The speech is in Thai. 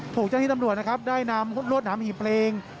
ถูกเจ้าที่ตำรวจนะครับได้นำรวดหนามหีบเพลง